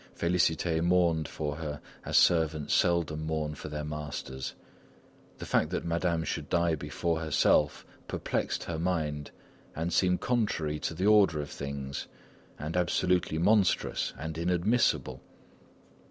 Félicité mourned for her as servants seldom mourn for their masters. The fact that Madame should die before herself perplexed her mind and seemed contrary to the order of things, and absolutely monstrous and inadmissible.